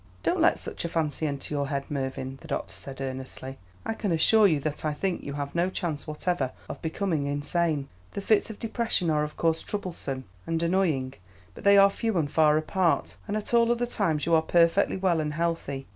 "Don't let such a fancy enter your head, Mervyn," the doctor said, earnestly. "I can assure you that I think you have no chance whatever of becoming insane. The fits of depression are of course troublesome and annoying, but they are few and far apart, and at all other times you are perfectly well and healthy.